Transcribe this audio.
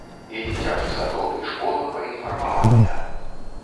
І дзіцячы садок, і школа паінфармаваныя.